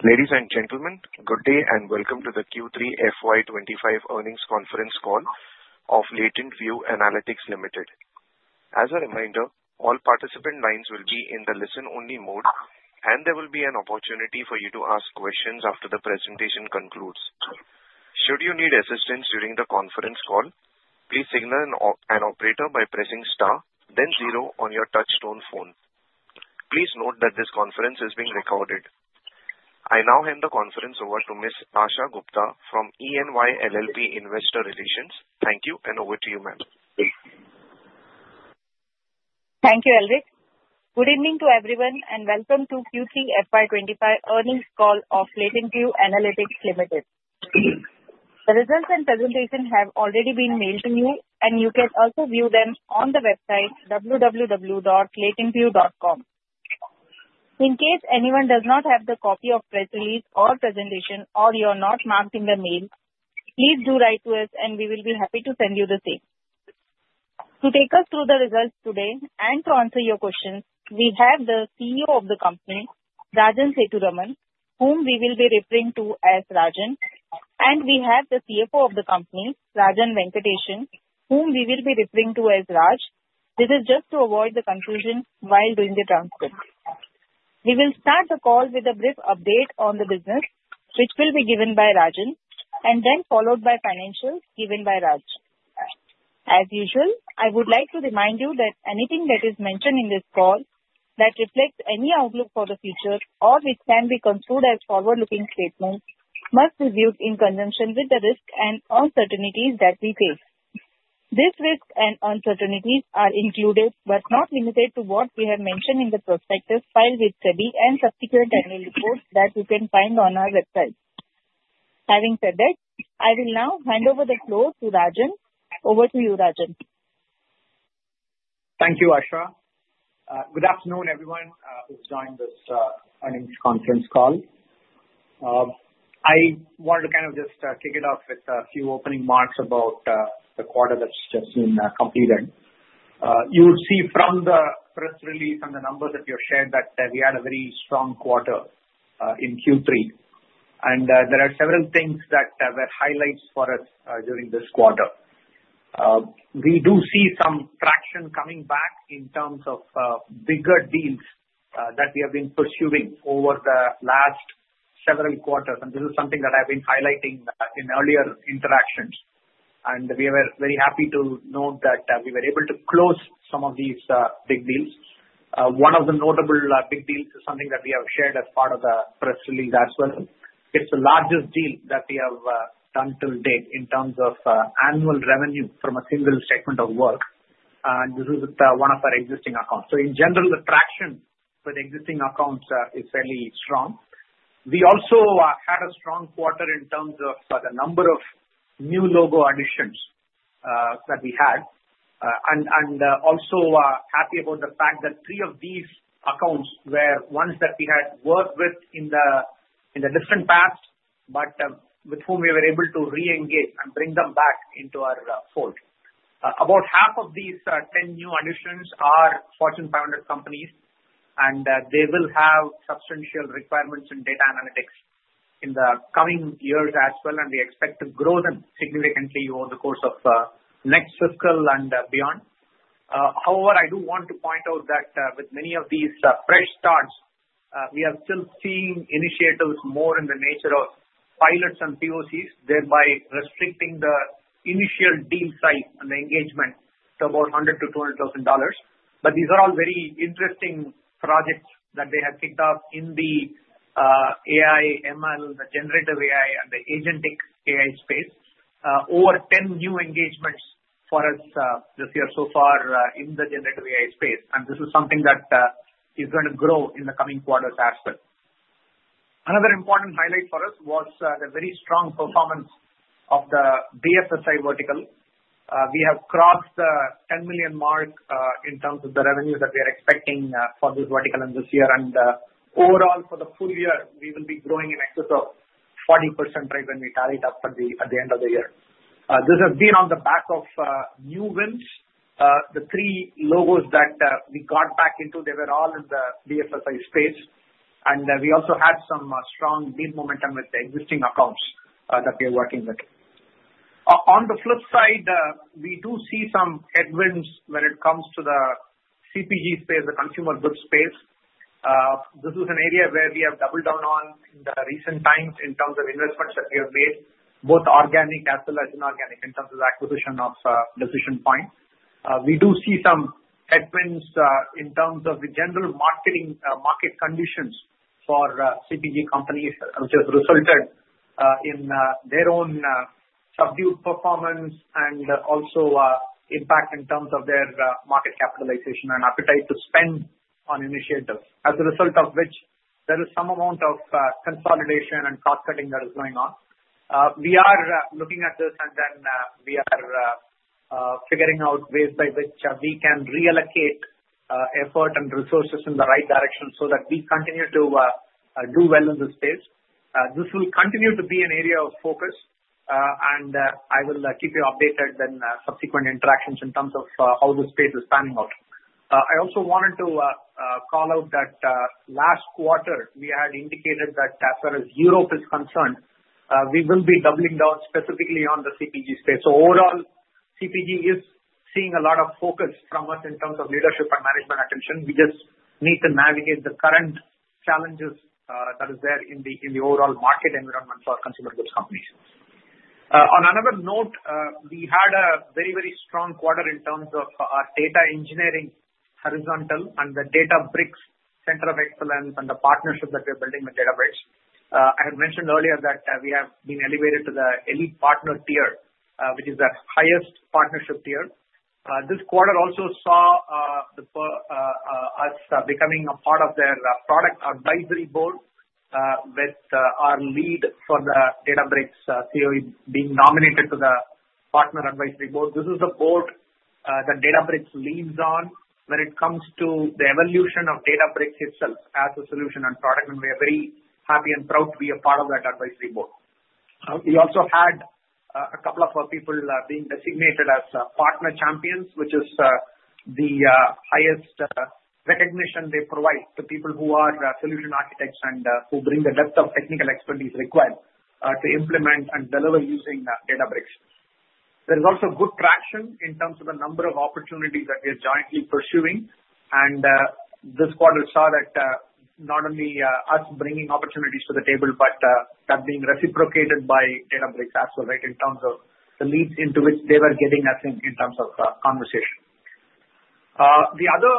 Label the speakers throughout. Speaker 1: Ladies and gentlemen, good day and welcome to the Q3 FY25 earnings conference call of LatentView Analytics Limited. As a reminder, all participant lines will be in the listen-only mode, and there will be an opportunity for you to ask questions after the presentation concludes. Should you need assistance during the conference call, please signal an operator by pressing star, then zero on your touch-tone phone. Please note that this conference is being recorded. I now hand the conference over to Ms. Akshay Gupta from EY LLP Investor Relations. Thank you, and over to you, ma'am.
Speaker 2: Thank you, Elvis. Good evening to everyone, and welcome to Q3 FY25 earnings call of LatentView Analytics Limited. The results and presentation have already been mailed to you, and you can also view them on the website, www.latentview.com. In case anyone does not have the copy of press release or presentation, or you are not marked in the mail, please do write to us, and we will be happy to send you the same. To take us through the results today and to answer your questions, we have the CEO of the company, Rajan Sethuraman, whom we will be referring to as Rajan, and we have the CFO of the company, Rajan Venkatesan, whom we will be referring to as Raj. This is just to avoid the confusion while doing the transcript. We will start the call with a brief update on the business, which will be given by Rajan, and then followed by financials given by Raj. As usual, I would like to remind you that anything that is mentioned in this call that reflects any outlook for the future or which can be construed as forward-looking statements must be viewed in conjunction with the risks and uncertainties that we face. These risks and uncertainties are included but not limited to what we have mentioned in the prospectus filed with SEBI and subsequent annual reports that you can find on our website. Having said that, I will now hand over the floor to Rajan. Over to you, Rajan.
Speaker 3: Thank you, Akshay. Good afternoon, everyone who's joined this earnings conference call. I wanted to kind of just kick it off with a few opening remarks about the quarter that's just been completed. You would see from the press release and the numbers that you've shared that we had a very strong quarter in Q3, and there are several things that were highlights for us during this quarter. We do see some traction coming back in terms of bigger deals that we have been pursuing over the last several quarters, and this is something that I've been highlighting in earlier interactions, and we were very happy to note that we were able to close some of these big deals. One of the notable big deals is something that we have shared as part of the press release as well. It's the largest deal that we have done till date in terms of annual revenue from a single statement of work, and this is with one of our existing accounts. So in general, the traction for the existing accounts is fairly strong. We also had a strong quarter in terms of the number of new logo additions that we had, and also happy about the fact that three of these accounts were ones that we had worked with in the distant past, but with whom we were able to re-engage and bring them back into our fold. About half of these 10 new additions are Fortune 500 companies, and they will have substantial requirements in data analytics in the coming years as well, and we expect to grow them significantly over the course of next fiscal and beyond. However, I do want to point out that with many of these fresh starts, we have still seen initiatives more in the nature of pilots and POCs, thereby restricting the initial deal size and the engagement to about $100,000-$200,000. But these are all very interesting projects that they have kicked off in the AI/ML, the generative AI, and the agentic AI space. Over 10 new engagements for us this year so far in the generative AI space, and this is something that is going to grow in the coming quarters as well. Another important highlight for us was the very strong performance of the BFSI vertical. We have crossed the 10 million mark in terms of the revenues that we are expecting for this vertical in this year, and overall for the full year, we will be growing in excess of 40% right when we tally it up at the end of the year. This has been on the back of new wins. The three logos that we got back into, they were all in the BFSI space, and we also had some strong deep momentum with the existing accounts that we are working with. On the flip side, we do see some headwinds when it comes to the CPG space, the consumer goods space. This is an area where we have doubled down on in the recent times in terms of investments that we have made, both organic as well as inorganic in terms of the acquisition of Decision Point. We do see some headwinds in terms of the general market conditions for CPG companies, which has resulted in their own subdued performance and also impact in terms of their market capitalization and appetite to spend on initiatives, as a result of which there is some amount of consolidation and cost-cutting that is going on. We are looking at this, and then we are figuring out ways by which we can reallocate effort and resources in the right direction so that we continue to do well in this space. This will continue to be an area of focus, and I will keep you updated then subsequent interactions in terms of how the space is panning out. I also wanted to call out that last quarter we had indicated that as far as Europe is concerned, we will be doubling down specifically on the CPG space. So overall, CPG is seeing a lot of focus from us in terms of leadership and management attention. We just need to navigate the current challenges that are there in the overall market environment for consumer goods companies. On another note, we had a very, very strong quarter in terms of our data engineering horizontal and the Databricks Center of Excellence and the partnership that we're building with Databricks. I had mentioned earlier that we have been elevated to the elite partner tier, which is the highest partnership tier. This quarter also saw us becoming a part of their product advisory board with our lead for the Databricks COE being nominated to the partner advisory board. This is the board that Databricks leans on when it comes to the evolution of Databricks itself as a solution and product, and we are very happy and proud to be a part of that advisory board. We also had a couple of people being designated as Partner champions, which is the highest recognition they provide to people who are solution architects and who bring the depth of technical expertise required to implement and deliver using Databricks. There is also good traction in terms of the number of opportunities that we are jointly pursuing, and this quarter saw that not only us bringing opportunities to the table, but that being reciprocated by Databricks as well, right, in terms of the leads into which they were getting us in terms of conversation. The other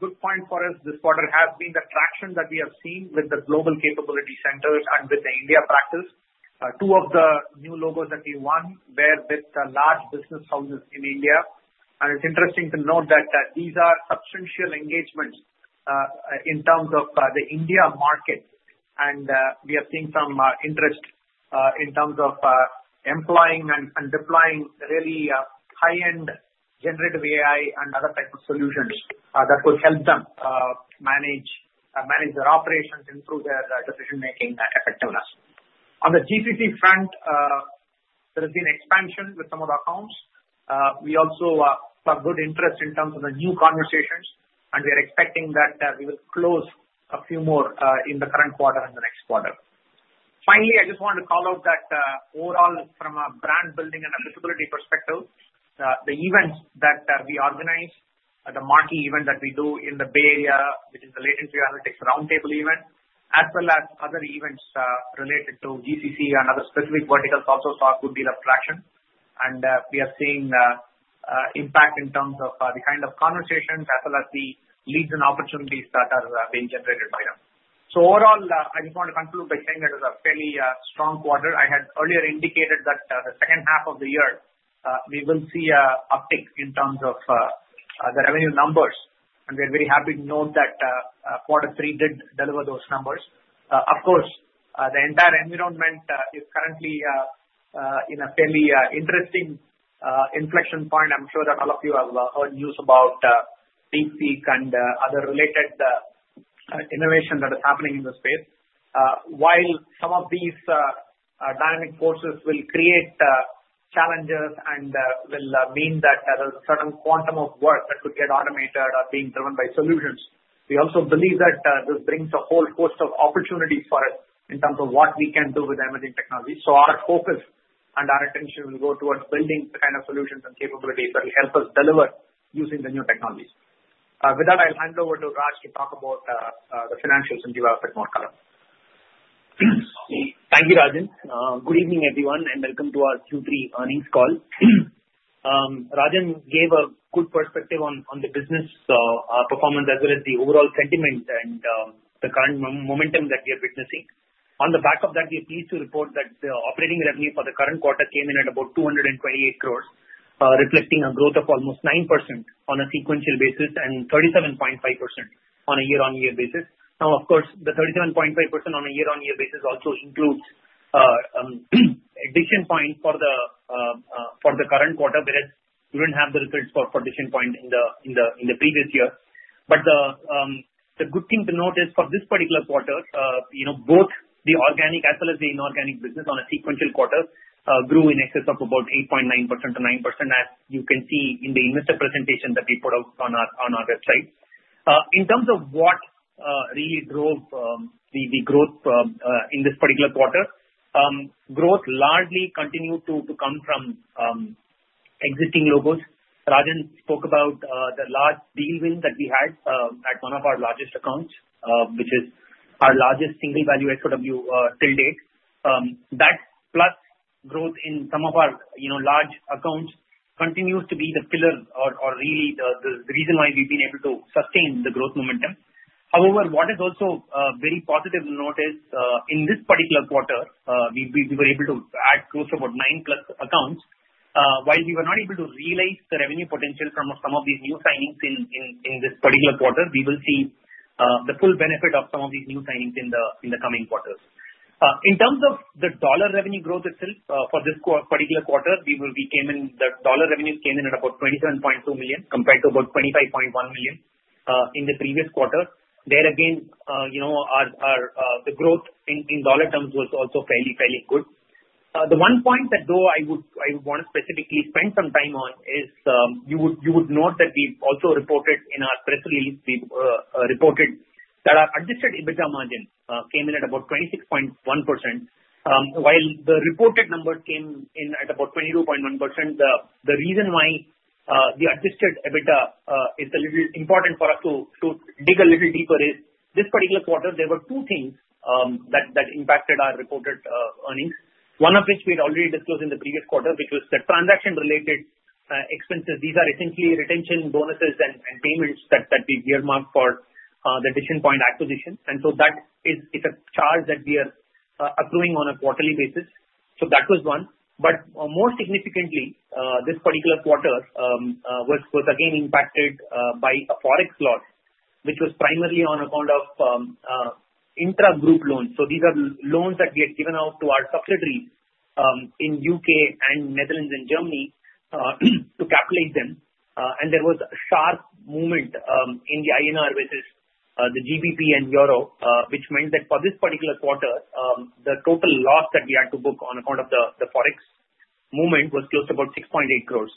Speaker 3: good point for us this quarter has been the traction that we have seen with the Global Capability Centers and with the India practice. Two of the new logos that we won were with large business houses in India, and it's interesting to note that these are substantial engagements in terms of the India market, and we are seeing some interest in terms of employing and deploying really high-end generative AI and other types of solutions that could help them manage their operations and improve their decision-making effectiveness. On the GCC front, there has been expansion with some of the accounts. We also saw good interest in terms of the new conversations, and we are expecting that we will close a few more in the current quarter and the next quarter. Finally, I just wanted to call out that overall, from a brand building and accessibility perspective, the events that we organize, the marquee event that we do in the Bay Area, which is the LatentView Analytics Roundtable event, as well as other events related to GCC and other specific verticals, also saw good deal of traction, and we are seeing impact in terms of the kind of conversations as well as the leads and opportunities that are being generated by them. So overall, I just want to conclude by saying it is a fairly strong quarter. I had earlier indicated that the second half of the year we will see an uptick in terms of the revenue numbers, and we are very happy to note that quarter three did deliver those numbers. Of course, the entire environment is currently in a fairly interesting inflection point. I'm sure that all of you have heard news about DeepSeek and other related innovations that are happening in the space. While some of these dynamic forces will create challenges and will mean that there's a certain quantum of work that could get automated or being driven by solutions, we also believe that this brings a whole host of opportunities for us in terms of what we can do with emerging technologies. So our focus and our attention will go towards building the kind of solutions and capabilities that will help us deliver using the new technologies. With that, I'll hand over to Raj to talk about the financials and give us a bit more color.
Speaker 4: Thank you, Rajan. Good evening, everyone, and welcome to our Q3 earnings call. Rajan gave a good perspective on the business performance as well as the overall sentiment and the current momentum that we are witnessing. On the back of that, we are pleased to report that the operating revenue for the current quarter came in at about 228 crores, reflecting a growth of almost 9% on a sequential basis and 37.5% on a year-on-year basis. Now, of course, the 37.5% on a year-on-year basis also includes a Decision Point for the current quarter, whereas we didn't have the results for Decision Point in the previous year. but the good thing to note is for this particular quarter, both the organic as well as the inorganic business on a sequential quarter grew in excess of about 8.9% to 9%, as you can see in the investor presentation that we put out on our website. In terms of what really drove the growth in this particular quarter, growth largely continued to come from existing logos. Rajan spoke about the large deal win that we had at one of our largest accounts, which is our largest single-value SOW till date. That plus growth in some of our large accounts continues to be the pillar or really the reason why we've been able to sustain the growth momentum. However, what is also very positive to note is in this particular quarter, we were able to add close to about nine plus accounts. While we were not able to realize the revenue potential from some of these new signings in this particular quarter, we will see the full benefit of some of these new signings in the coming quarters. In terms of the dollar revenue growth itself for this particular quarter, we came in, the dollar revenue came in at about $27.2 million compared to about $25.1 million in the previous quarter. There again, the growth in dollar terms was also fairly, fairly good. The one point that though I would want to specifically spend some time on is you would note that we also reported in our press release that our adjusted EBITDA margin came in at about 26.1%. While the reported number came in at about 22.1%, the reason why the adjusted EBITDA is a little important for us to dig a little deeper is this particular quarter. There were two things that impacted our reported earnings, one of which we had already disclosed in the previous quarter, which was the transaction-related expenses. These are essentially retention bonuses and payments that we've earmarked for the Decision Point acquisition, and so that is a charge that we are accruing on a quarterly basis. So that was one. But more significantly, this particular quarter was again impacted by a forex loss, which was primarily on account of intra-group loans. So these are loans that we had given out to our subsidiaries in the UK and Netherlands and Germany to capitalize them, and there was a sharp movement in the INR versus the GBP and Euro, which meant that for this particular quarter, the total loss that we had to book on account of the forex movement was close to about 6.8 crores.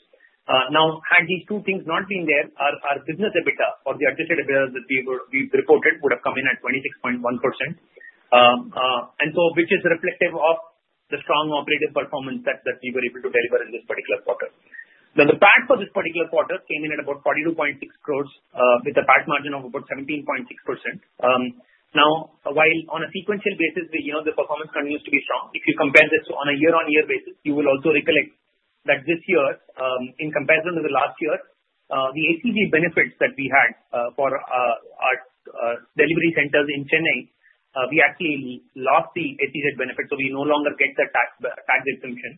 Speaker 4: Now, had these two things not been there, our business EBITDA or the adjusted EBITDA that we reported would have come in at 26.1%, and so which is reflective of the strong operating performance that we were able to deliver in this particular quarter. Now, the PAT for this particular quarter came in at about 42.6 crores with a PAT margin of about 17.6%. Now, while on a sequential basis, the performance continues to be strong. If you compare this on a year-on-year basis, you will also recollect that this year, in comparison to the last year, the HCG benefits that we had for our delivery centers in Chennai, we actually lost the HCG benefit, so we no longer get the tax exemption.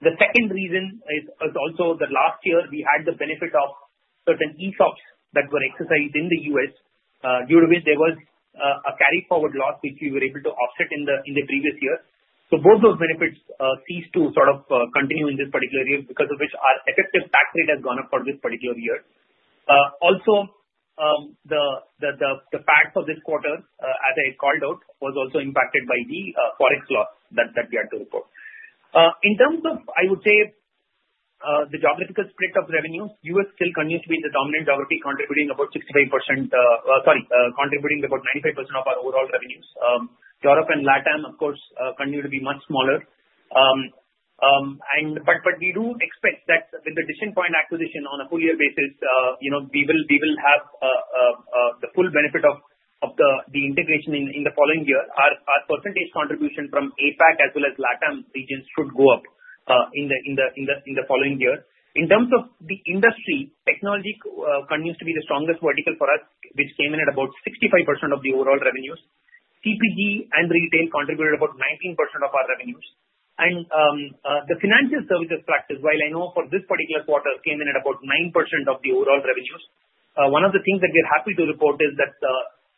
Speaker 4: The second reason is also that last year we had the benefit of certain ESOPs that were exercised in the U.S., due to which there was a carry-forward loss, which we were able to offset in the previous year. So both those benefits ceased to sort of continue in this particular year because of which our effective tax rate has gone up for this particular year. Also, the PAT for this quarter, as I called out, was also impacted by the forex loss that we had to report. In terms of, I would say, the geographical split of revenues, the U.S. still continues to be the dominant geography, contributing about 65%, sorry, contributing about 95% of our overall revenues. Europe and LATAM, of course, continue to be much smaller, but we do expect that with the Decision Point acquisition on a full-year basis, we will have the full benefit of the integration in the following year. Our percentage contribution from APAC as well as LATAM regions should go up in the following year. In terms of the industry, technology continues to be the strongest vertical for us, which came in at about 65% of the overall revenues. CPG and retail contributed about 19% of our revenues, and the financial services practice, while I know for this particular quarter came in at about 9% of the overall revenues. One of the things that we're happy to report is that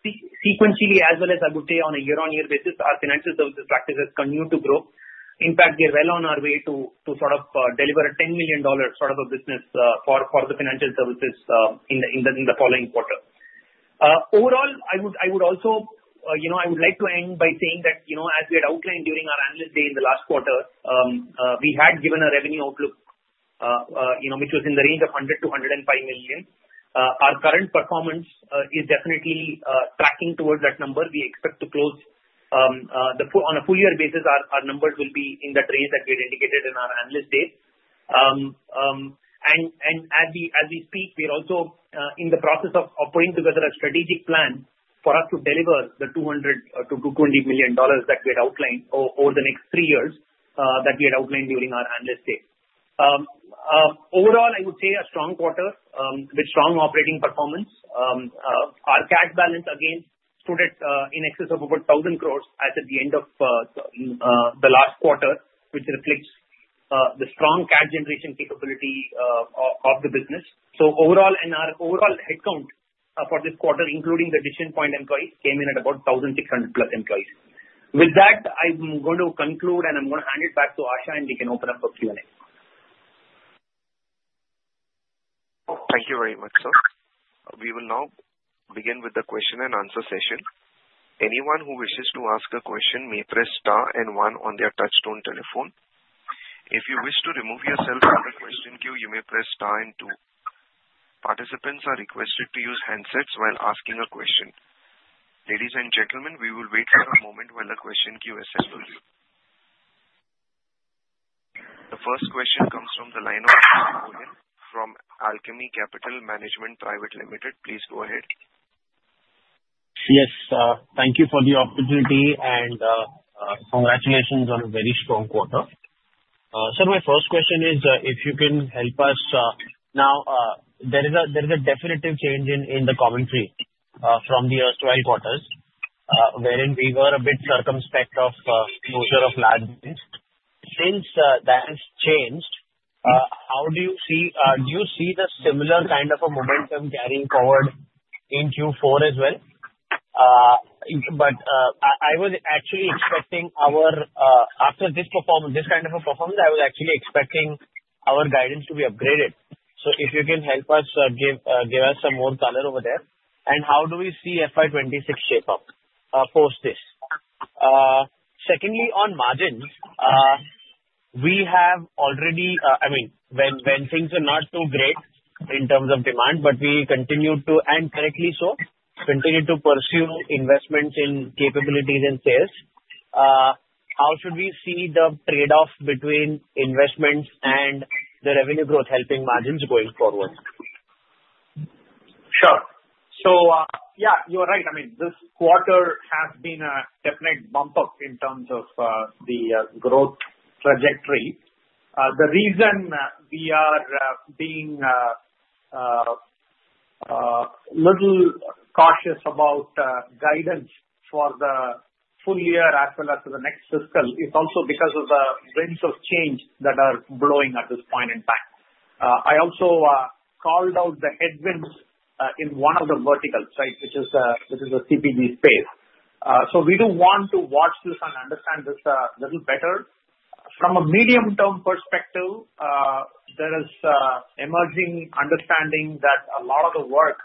Speaker 4: sequentially, as well as, I would say, on a year-on-year basis, our financial services practice has continued to grow. In fact, we are well on our way to sort of deliver a $10 million sort of a business for the financial services in the following quarter. Overall, I would also like to end by saying that, as we had outlined during our analyst day in the last quarter, we had given a revenue outlook which was in the range of $100-$105 million. Our current performance is definitely tracking towards that number. We expect to close on a full-year basis. Our numbers will be in that range that we had indicated in our Analyst Day. As we speak, we are also in the process of putting together a strategic plan for us to deliver the $200 million-$220 million that we had outlined over the next three years that we had outlined during our Analyst Day. Overall, I would say a strong quarter with strong operating performance. Our cash balance, again, stood in excess of about 1,000 crores at the end of the last quarter, which reflects the strong cash generation capability of the business. Overall, and our overall headcount for this quarter, including the Decision Point employees, came in at about 1,600-plus employees. With that, I'm going to conclude, and I'm going to hand it back to Akshay, and we can open up for Q&A.
Speaker 1: Thank you very much, sir. We will now begin with the question and answer session. Anyone who wishes to ask a question may press star and one on their touch-tone telephone. If you wish to remove yourself from the question queue, you may press star and two. Participants are requested to use handsets while asking a question. Ladies and gentlemen, we will wait for a moment while a question queue assigns to you. The first question comes from the line of Vimal Gohil from Alchemy Capital Management Private Limited. Please go ahead.
Speaker 5: Yes, thank you for the opportunity, and congratulations on a very strong quarter. Sir, my first question is if you can help us. Now, there is a definitive change in the commentary from the earlier quarters, wherein we were a bit circumspect of the closure of LATAM. Since that has changed, how do you see the similar kind of a momentum carrying forward in Q4 as well? I was actually expecting our guidance to be upgraded after this kind of a performance. So if you can help us give us some more color over there, and how do we see FY26 shape up post this? Secondly, on margins, we have already, I mean, when things are not too great in terms of demand, but we continue to, and correctly so, continue to pursue investments in capabilities and sales. How should we see the trade-off between investments and the revenue growth helping margins going forward?
Speaker 3: Sure. So yeah, you are right. I mean, this quarter has been a definite bump up in terms of the growth trajectory. The reason we are being a little cautious about guidance for the full year as well as for the next fiscal is also because of the winds of change that are blowing at this point in time. I also called out the headwinds in one of the verticals, right, which is the CPG space. So we do want to watch this and understand this a little better. From a medium-term perspective, there is emerging understanding that a lot of the work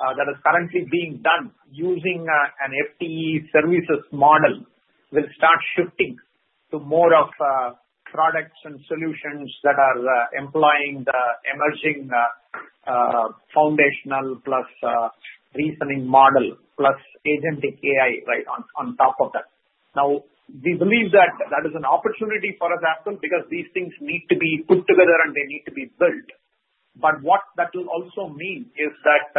Speaker 3: that is currently being done using an FTE services model will start shifting to more of products and solutions that are employing the emerging foundational plus reasoning model plus agentic AI, right, on top of that. Now, we believe that that is an opportunity for us, actually, because these things need to be put together, and they need to be built. But what that will also mean is that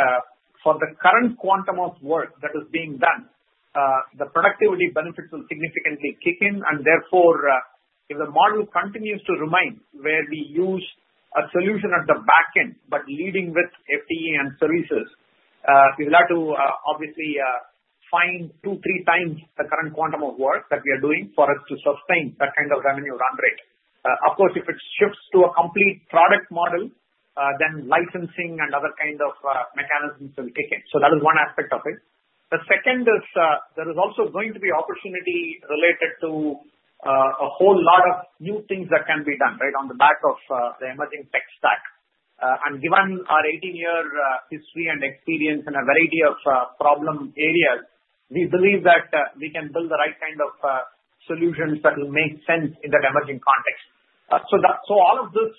Speaker 3: for the current quantum of work that is being done, the productivity benefits will significantly kick in, and therefore, if the model continues to remain where we use a solution at the back end but leading with FTE and services, we will have to obviously find two, three times the current quantum of work that we are doing for us to sustain that kind of revenue run rate. Of course, if it shifts to a complete product model, then licensing and other kinds of mechanisms will kick in. So that is one aspect of it. The second is there is also going to be opportunity related to a whole lot of new things that can be done, right, on the back of the emerging tech stack. And given our 18-year history and experience in a variety of problem areas, we believe that we can build the right kind of solutions that will make sense in that emerging context. So all of this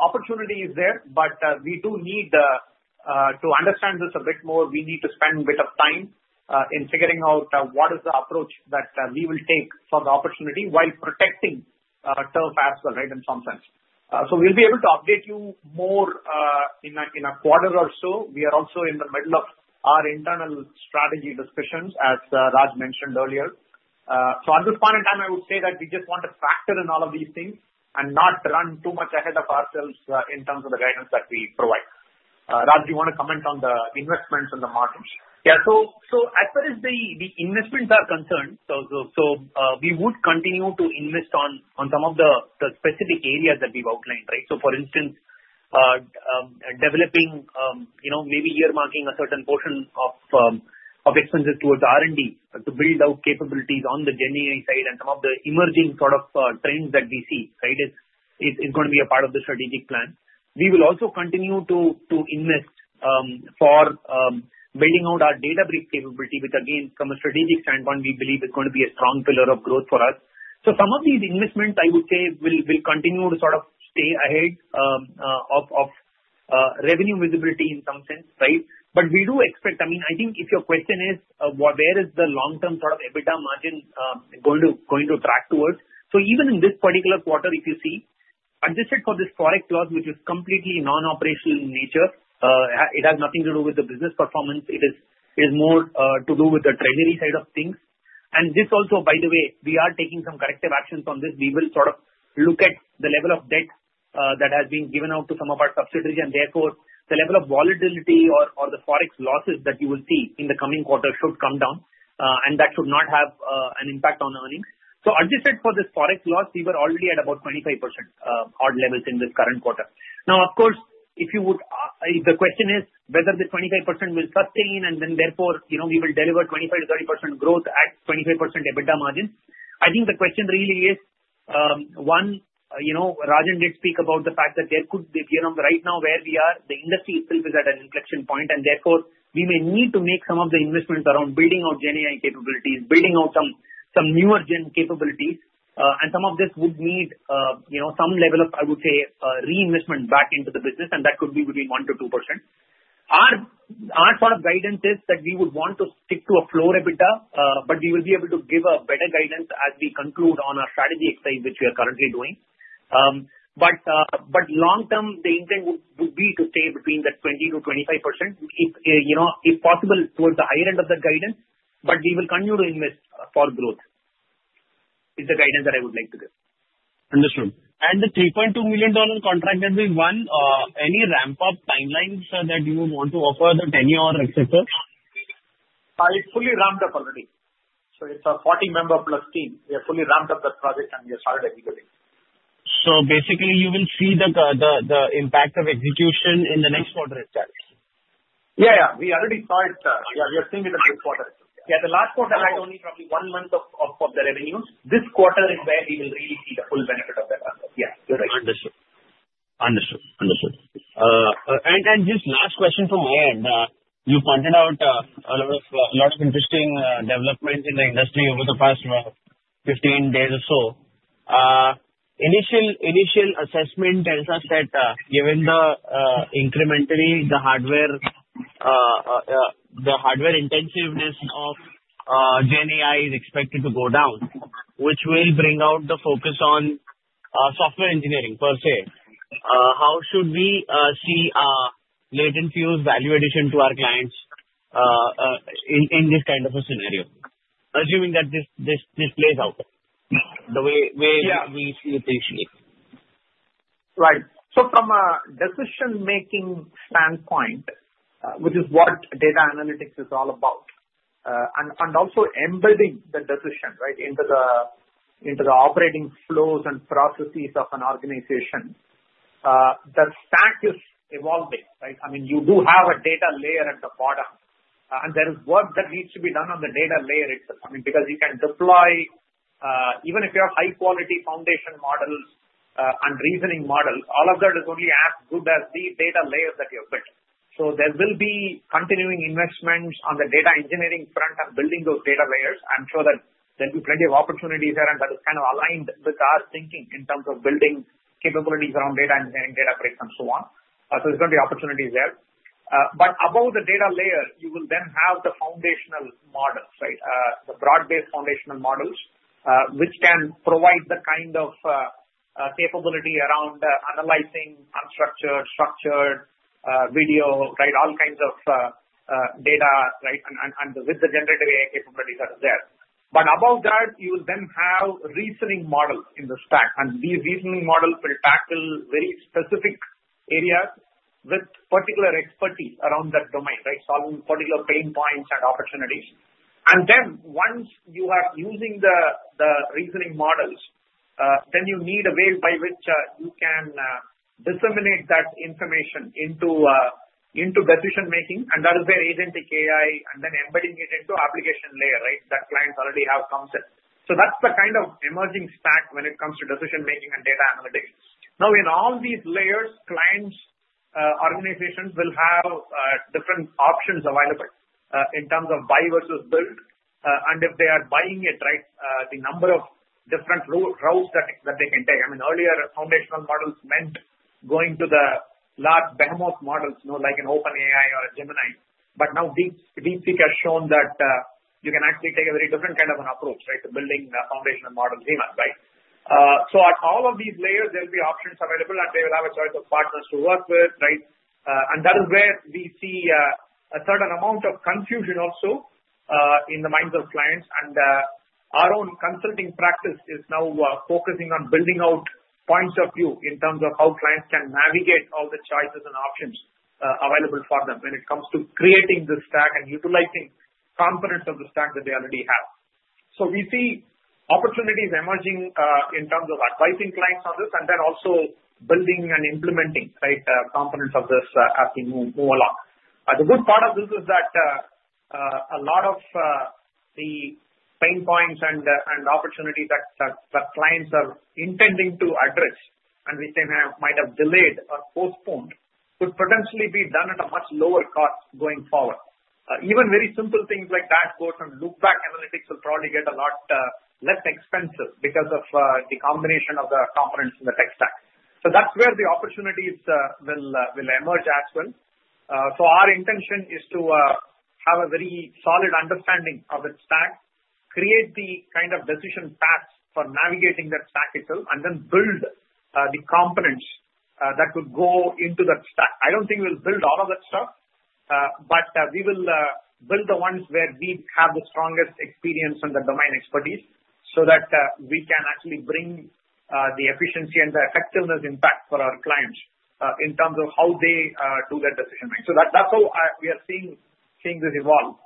Speaker 3: opportunity is there, but we do need to understand this a bit more. We need to spend a bit of time in figuring out what is the approach that we will take for the opportunity while protecting turf as well, right, in some sense. So we'll be able to update you more in a quarter or so. We are also in the middle of our internal strategy discussions, as Raj mentioned earlier. So at this point in time, I would say that we just want to factor in all of these things and not run too much ahead of ourselves in terms of the guidance that we provide. Raj, do you want to comment on the investments and the margins? Yeah. So as far as the investments are concerned, so we would continue to invest on some of the specific areas that we've outlined, right? So for instance, developing maybe earmarking a certain portion of expenses towards R&D to build out capabilities on the GenAI side and some of the emerging sort of trends that we see, right, is going to be a part of the strategic plan. We will also continue to invest for building out our Databricks capability, which, again, from a strategic standpoint, we believe is going to be a strong pillar of growth for us. So some of these investments, I would say, will continue to sort of stay ahead of revenue visibility in some sense, right? But we do expect. I mean, I think if your question is where is the long-term sort of EBITDA margin going to track towards? So even in this particular quarter, if you see, adjusted for this forex loss, which is completely non-operational in nature, it has nothing to do with the business performance. It is more to do with the treasury side of things. And this also, by the way, we are taking some corrective actions on this. We will sort of look at the level of debt that has been given out to some of our subsidiaries, and therefore, the level of volatility or the forex losses that you will see in the coming quarter should come down, and that should not have an impact on earnings. So adjusted for this forex loss, we were already at about 25% odd levels in this current quarter. Now, of course, if you would, the question is whether the 25% will sustain, and then therefore, we will deliver 25-30% growth at 25% EBITDA margins. I think the question really is, one, Rajan did speak about the fact that there could be a year on the right now where we are. The industry still is at an inflection point, and therefore, we may need to make some of the investments around building out GenAI capabilities, building out some newer gen capabilities, and some of this would need some level of, I would say, reinvestment back into the business, and that could be between 1-2%. Our sort of guidance is that we would want to stick to a floor EBITDA, but we will be able to give a better guidance as we conclude on our strategy exercise, which we are currently doing, but long-term, the intent would be to stay between that 20%-25%, if possible, towards the higher end of the guidance, but we will continue to invest for growth, is the guidance that I would like to give.
Speaker 5: Understood. And the $3.2 million contract that we won, any ramp-up timelines that you would want to offer the tenure, etc.?
Speaker 3: It's fully ramped up already. So it's a 40-member plus team. We have fully ramped up that project, and we have started executing.
Speaker 5: So basically, you will see the impact of execution in the next quarter, itself?
Speaker 3: Yeah, yeah. We already saw it. Yeah, we have seen it in the next quarter. Yeah, the last quarter had only probably one month of the revenues. This quarter is where we will really see the full benefit of that. Yeah, you're right.
Speaker 5: Understood. And just last question from my end. You pointed out a lot of interesting developments in the industry over the past 15 days or so. Initial assessment tells us that given the incrementally, the hardware intensiveness of GenAI is expected to go down, which will bring out the focus on software engineering, per se. How should we see our LatentView's value addition to our clients in this kind of a scenario, assuming that this plays out the way we see it initially?
Speaker 3: Right. So from a decision-making standpoint, which is what data analytics is all about, and also embedding the decision, right, into the operating flows and processes of an organization, the stack is evolving, right? I mean, you do have a data layer at the bottom, and there is work that needs to be done on the data layer itself. I mean, because you can deploy, even if you have high-quality foundation models and reasoning models, all of that is only as good as the data layers that you have built. So there will be continuing investments on the data engineering front and building those data layers. I'm sure that there'll be plenty of opportunities there, and that is kind of aligned with our thinking in terms of building capabilities around data engineering, Databricks, and so on. So there's going to be opportunities there. But above the data layer, you will then have the foundational models, right, the broad-based foundational models, which can provide the kind of capability around analyzing unstructured, structured video, right, all kinds of data, right, and with the generative AI capabilities that are there. But above that, you will then have reasoning models in the stack, and these reasoning models will tackle very specific areas with particular expertise around that domain, right, solving particular pain points and opportunities. And then once you are using the reasoning models, then you need a way by which you can disseminate that information into decision-making, and that is where agentic AI and then embedding it into the application layer, right, that clients already have comes in. So that's the kind of emerging stack when it comes to decision-making and data analytics. Now, in all these layers, clients, organizations will have different options available in terms of buy versus build, and if they are buying it, right, the number of different routes that they can take. I mean, earlier, foundational models meant going to the large behemoth models, like an OpenAI or a Gemini, but now DeepSeek has shown that you can actually take a very different kind of an approach, right, to building foundational models even, right? So at all of these layers, there will be options available, and they will have a choice of partners to work with, right? And that is where we see a certain amount of confusion also in the minds of clients, and our own consulting practice is now focusing on building out points of view in terms of how clients can navigate all the choices and options available for them when it comes to creating this stack and utilizing components of the stack that they already have. So we see opportunities emerging in terms of advising clients on this, and then also building and implementing, right, components of this as we move along. The good part of this is that a lot of the pain points and opportunities that clients are intending to address and which they might have delayed or postponed could potentially be done at a much lower cost going forward. Even very simple things like dashboards and look-back analytics will probably get a lot less expensive because of the combination of the components in the tech stack. So that's where the opportunities will emerge as well. So our intention is to have a very solid understanding of the stack, create the kind of decision paths for navigating that stack itself, and then build the components that would go into that stack. I don't think we'll build all of that stuff, but we will build the ones where we have the strongest experience and the domain expertise so that we can actually bring the efficiency and the effectiveness impact for our clients in terms of how they do their decision-making. So that's how we are seeing this evolve.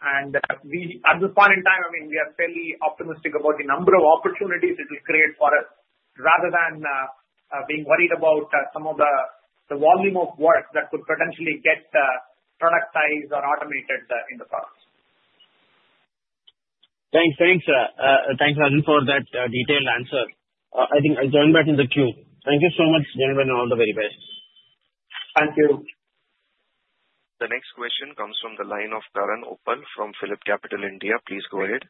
Speaker 3: At this point in time, I mean, we are fairly optimistic about the number of opportunities it will create for us rather than being worried about some of the volume of work that could potentially get productized or automated in the products.
Speaker 5: Thanks. Thanks, Rajan, for that detailed answer. I think I'll join back in the queue. Thank you so much, gentlemen, and all the very best.
Speaker 3: Thank you.
Speaker 1: The next question comes from the line of Karan Uppal from PhillipCapital India. Please go ahead.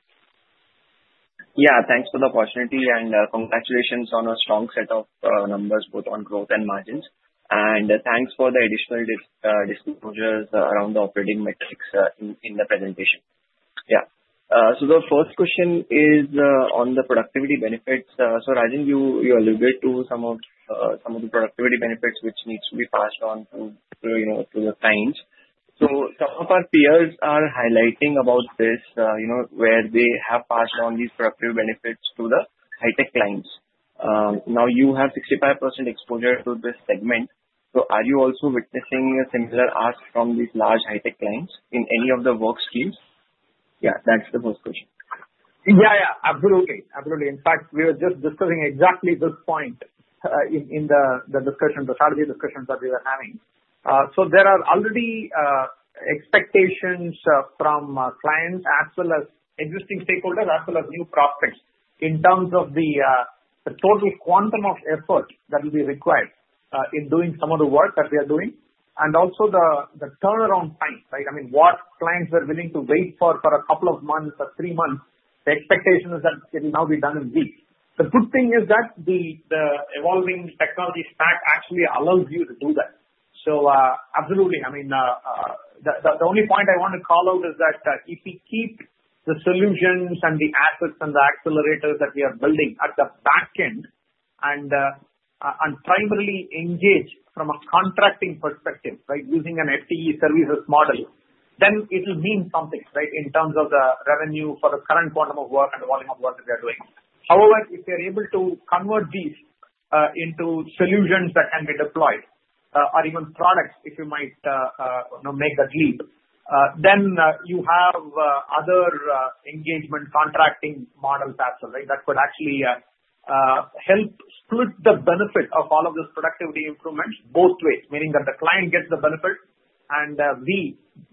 Speaker 6: Yeah. Thanks for the opportunity, and congratulations on a strong set of numbers, both on growth and margins. And thanks for the additional disclosures around the operating metrics in the presentation. Yeah. So the first question is on the productivity benefits. So Rajan, you alluded to some of the productivity benefits which needs to be passed on to the clients. So some of our peers are highlighting about this where they have passed on these productive benefits to the high-tech clients. Now, you have 65% exposure to this segment. So are you also witnessing a similar ask from these large high-tech clients in any of the work streams? Yeah, that's the first question.
Speaker 3: Yeah, yeah. Absolutely. Absolutely. In fact, we were just discussing exactly this point in the discussion, the strategy discussions that we were having. So there are already expectations from clients as well as existing stakeholders as well as new prospects in terms of the total quantum of effort that will be required in doing some of the work that we are doing and also the turnaround time, right? I mean, what clients were willing to wait for a couple of months or three months, the expectation is that it will now be done in weeks. The good thing is that the evolving technology stack actually allows you to do that. So absolutely. I mean, the only point I want to call out is that if we keep the solutions and the assets and the accelerators that we are building at the back end and primarily engage from a contracting perspective, right, using an FTE services model, then it will mean something, right, in terms of the revenue for the current quantum of work and the volume of work that we are doing. However, if you're able to convert these into solutions that can be deployed or even products, if you might make that leap, then you have other engagement contracting models as well, right, that could actually help split the benefit of all of those productivity improvements both ways, meaning that the client gets the benefit, and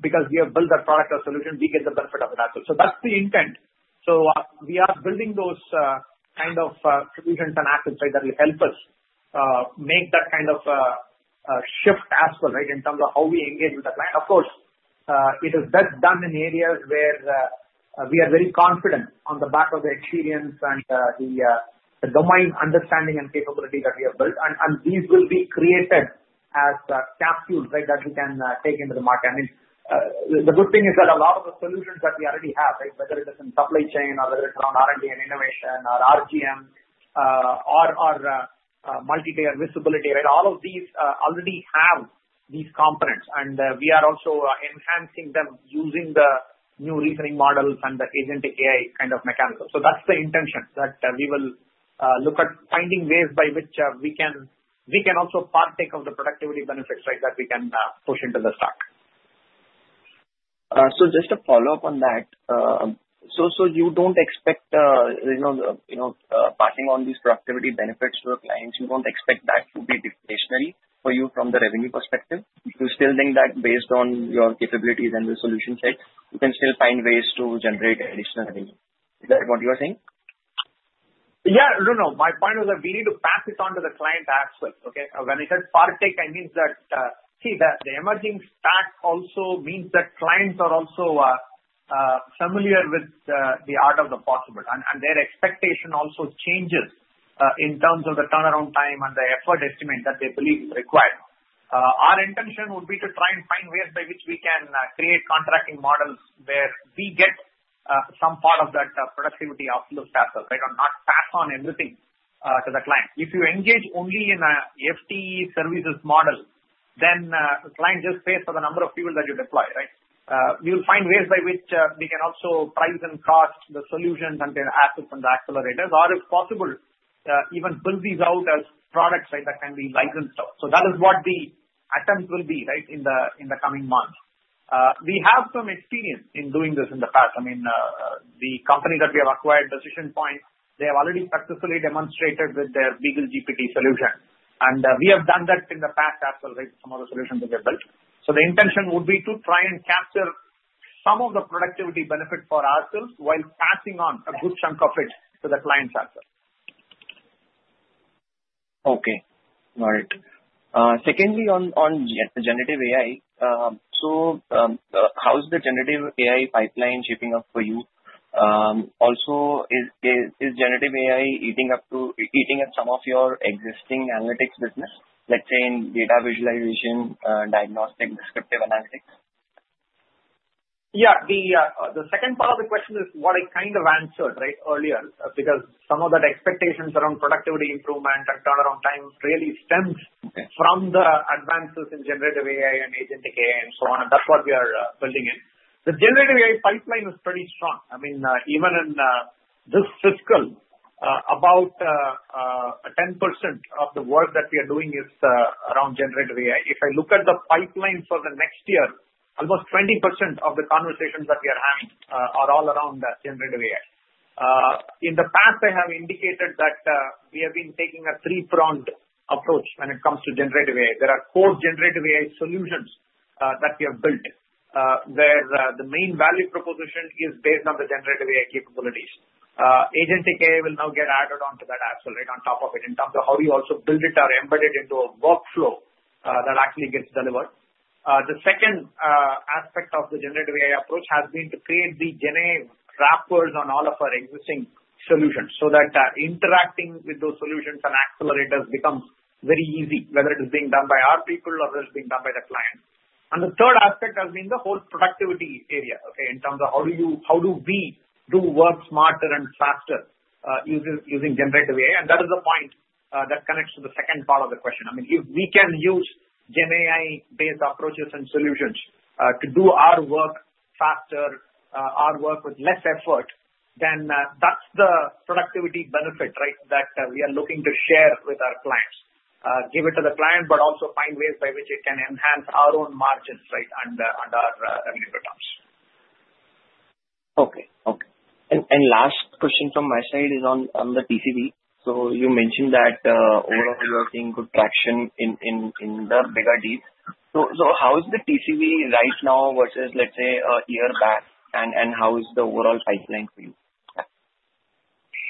Speaker 3: because we have built that product or solution, we get the benefit of it as well. So that's the intent. So we are building those kind of solutions and assets, right, that will help us make that kind of shift as well, right, in terms of how we engage with the client. Of course, it is best done in areas where we are very confident on the back of the experience and the domain understanding and capability that we have built, and these will be created as capsules, right, that we can take into the market. I mean, the good thing is that a lot of the solutions that we already have, right, whether it is in supply chain or whether it's around R&D and innovation or RGM or multi-layer visibility, right, all of these already have these components, and we are also enhancing them using the new reasoning models and the agentic AI kind of mechanical. So that's the intention that we will look at finding ways by which we can also partake of the productivity benefits, right, that we can push into the stack.
Speaker 6: So just to follow up on that, so you don't expect passing on these productivity benefits to the clients, you don't expect that to be discretionary for you from the revenue perspective. You still think that based on your capabilities and the solution set, you can still find ways to generate additional revenue. Is that what you are saying?
Speaker 3: Yeah. No, no. My point was that we need to pass it on to the client as well. Okay? When I said partake, I mean that, see, the emerging stack also means that clients are also familiar with the art of the possible, and their expectation also changes in terms of the turnaround time and the effort estimate that they believe is required. Our intention would be to try and find ways by which we can create contracting models where we get some part of that productivity outlook as well, right, or not pass on everything to the client. If you engage only in a FTE services model, then the client just pays for the number of people that you deploy, right? We will find ways by which we can also price and cost the solutions and their assets and the accelerators, or if possible, even build these out as products, right, that can be licensed out. So that is what the attempt will be, right, in the coming months. We have some experience in doing this in the past. I mean, the company that we have acquired, Decision Point, they have already successfully demonstrated with their BeagleGPT solution, and we have done that in the past as well, right, with some of the solutions that we have built. So the intention would be to try and capture some of the productivity benefit for ourselves while passing on a good chunk of it to the clients as well.
Speaker 6: Okay. All right. Secondly, on generative AI, so how is the generative AI pipeline shaping up for you? Also, is generative AI eating up some of your existing analytics business, let's say in data visualization, diagnostic, descriptive analytics?
Speaker 3: Yeah. The second part of the question is what I kind of answered, right, earlier, because some of that expectations around productivity improvement and turnaround time really stems from the advances in generative AI and agentic AI and so on, and that's what we are building in. The generative AI pipeline is pretty strong. I mean, even in this fiscal, about 10% of the work that we are doing is around generative AI. If I look at the pipeline for the next year, almost 20% of the conversations that we are having are all around generative AI. In the past, I have indicated that we have been taking a three-pronged approach when it comes to generative AI. There are core generative AI solutions that we have built where the main value proposition is based on the generative AI capabilities. Agentic AI will now get added onto that as well, right, on top of it in terms of how we also build it or embed it into a workflow that actually gets delivered. The second aspect of the generative AI approach has been to create the GenAI wrappers on all of our existing solutions so that interacting with those solutions and accelerators becomes very easy, whether it is being done by our people or it is being done by the client. And the third aspect has been the whole productivity area, okay, in terms of how do we do work smarter and faster using generative AI? And that is the point that connects to the second part of the question. I mean, if we can use GenAI-based approaches and solutions to do our work faster, our work with less effort, then that's the productivity benefit, right, that we are looking to share with our clients, give it to the client, but also find ways by which it can enhance our own margins, right, and our revenue returns.
Speaker 6: Okay. Okay. And last question from my side is on the TCV. So you mentioned that overall you are seeing good traction in the bigger deals. So how is the TCV right now versus, let's say, a year back, and how is the overall pipeline for you?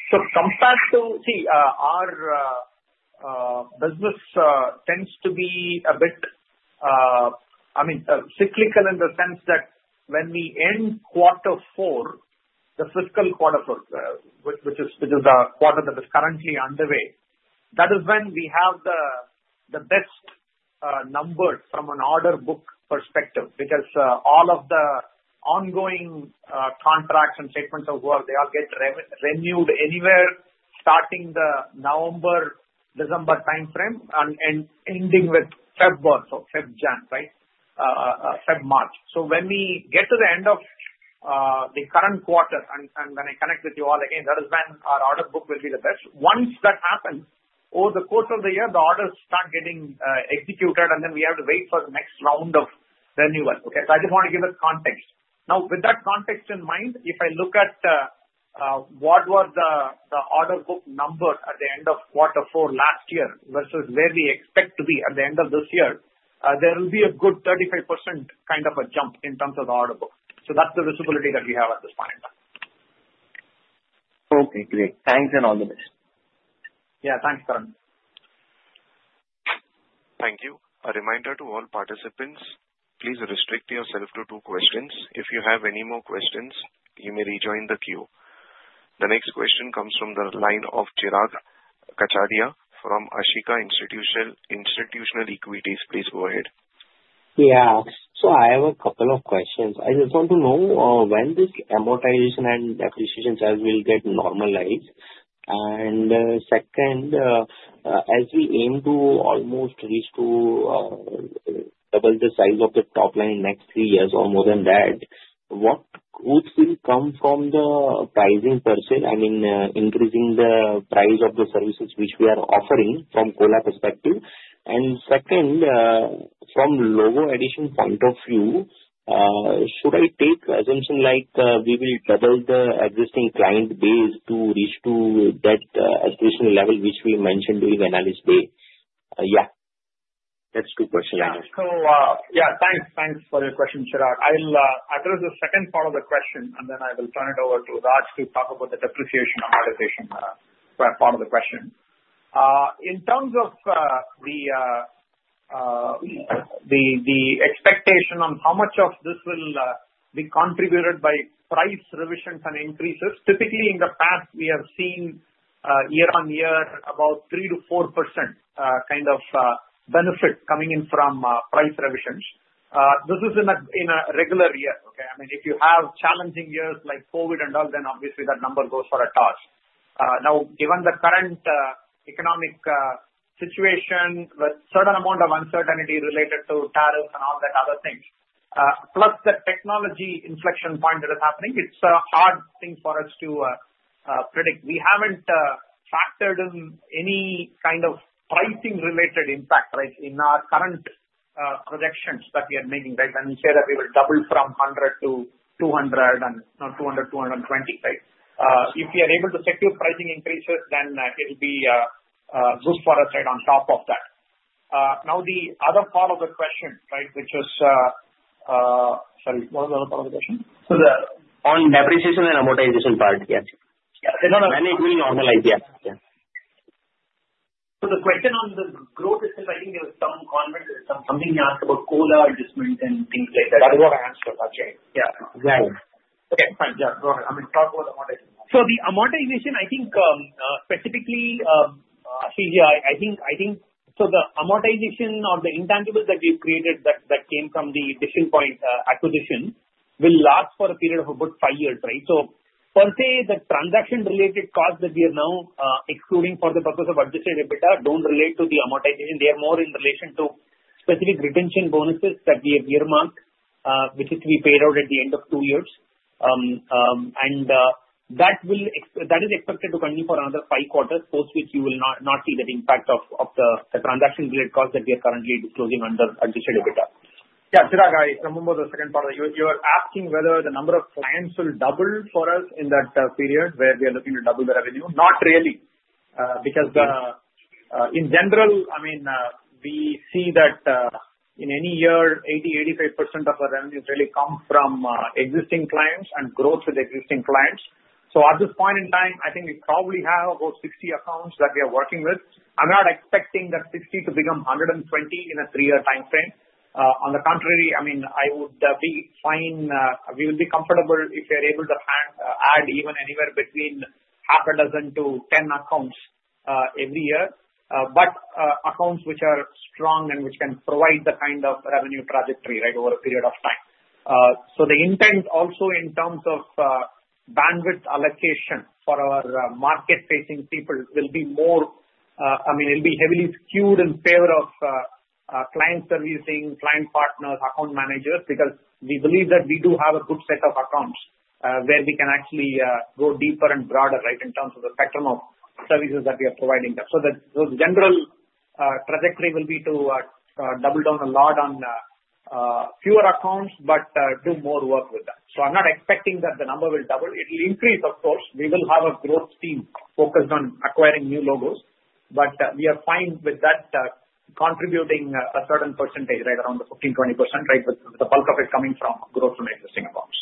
Speaker 3: Come back to see our business tends to be a bit. I mean, cyclical in the sense that when we end quarter four, the fiscal quarter four, which is the quarter that is currently underway, that is when we have the best numbers from an order book perspective because all of the ongoing contracts and statements of work, they all get renewed anywhere starting the November-December timeframe and ending with Feb, so Feb Jan, right, Feb, March. When we get to the end of the current quarter, and when I connect with you all again, that is when our order book will be the best. Once that happens, over the course of the year, the orders start getting executed, and then we have to wait for the next round of renewal. Okay? I just want to give a context. Now, with that context in mind, if I look at what was the order book number at the end of quarter four last year versus where we expect to be at the end of this year, there will be a good 35% kind of a jump in terms of the order book. So that's the visibility that we have at this point in time.
Speaker 6: Okay. Great. Thanks and all the best.
Speaker 3: Yeah. Thanks, Karan.
Speaker 1: Thank you. A reminder to all participants, please restrict yourself to two questions. If you have any more questions, you may rejoin the queue. The next question comes from the line of Chirag Kachhadiya from Ashika Institutional Equities. Please go ahead.
Speaker 7: Yeah. So I have a couple of questions. I just want to know when this amortization and depreciation will get normalized. And second, as we aim to almost reach to double the size of the top line in the next three years or more than that, what growth will come from the pricing per se? I mean, increasing the price of the services which we are offering from COLA perspective. And second, from a logo addition point of view, should I take assumption like we will double the existing client base to reach to that additional level which we mentioned during analysis day? Yeah. That's two questions.
Speaker 3: Yeah. So yeah, thanks. Thanks for your question, Chirag. I'll address the second part of the question, and then I will turn it over to Raj to talk about the depreciation amortization part of the question. In terms of the expectation on how much of this will be contributed by price revisions and increases, typically in the past, we have seen year on year about 3%-4% kind of benefit coming in from price revisions. This is in a regular year, okay? I mean, if you have challenging years like COVID and all, then obviously that number goes for a toss. Now, given the current economic situation with a certain amount of uncertainty related to tariffs and all that other things, plus the technology inflection point that is happening, it's a hard thing for us to predict. We haven't factored in any kind of pricing-related impact, right, in our current projections that we are making, right, and say that we will double from 100 to 200 and now 200, 220, right? If we are able to secure pricing increases, then it will be good for us, right, on top of that. Now, the other part of the question, right, which is, sorry, what was the other part of the question?
Speaker 7: So, the on depreciation and amortization part, yeah.
Speaker 3: Yeah. They're not, then it will normalize. Yeah. Yeah.
Speaker 7: The question on the growth itself, I think there was some comment, something you asked about COLA adjustment and things like that.
Speaker 3: That is what I answered. That's right. Yeah.
Speaker 7: Yeah.
Speaker 3: Okay. Fine. Yeah. Go ahead. I mean, talk about amortization. So the amortization, I think specifically, Akshay, I think so the amortization or the intangibles that we've created that came from the Decision Point acquisition will last for a period of about five years, right? So per se, the transaction-related costs that we are now excluding for the purpose of adjusted EBITDA don't relate to the amortization. They are more in relation to specific retention bonuses that we have earmarked, which is to be paid out at the end of two years. And that is expected to continue for another five quarters, post which you will not see that impact of the transaction-related costs that we are currently disclosing under adjusted EBITDA. Yeah. Chirag, I remember the second part of that. You were asking whether the number of clients will double for us in that period where we are looking to double the revenue. Not really, because in general, I mean, we see that in any year, 80%-85% of our revenues really come from existing clients and growth with existing clients. So at this point in time, I think we probably have about 60 accounts that we are working with. I'm not expecting that 60 to become 120 in a three-year timeframe. On the contrary, I mean, I would be fine. We would be comfortable if we are able to add even anywhere between half a dozen to 10 accounts every year, but accounts which are strong and which can provide the kind of revenue trajectory, right, over a period of time. So the intent also in terms of bandwidth allocation for our market-facing people will be more, I mean, it'll be heavily skewed in favor of client servicing, client partners, account managers, because we believe that we do have a good set of accounts where we can actually go deeper and broader, right, in terms of the spectrum of services that we are providing. So the general trajectory will be to double down a lot on fewer accounts but do more work with them. So I'm not expecting that the number will double. It will increase, of course. We will have a growth team focused on acquiring new logos, but we are fine with that contributing a certain percentage, right, around the 15%-20%, right, with the bulk of it coming from growth from existing accounts.